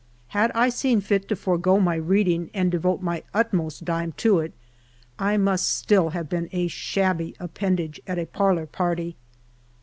Had I seen lit to forego my reading and devote my utmost dime to it, I must still have been a shabby appendage at a parlor party.